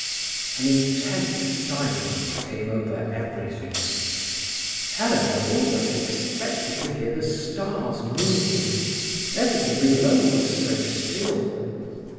An intense silence came over everything. Helena almost expected to hear the stars moving, everything below was so still.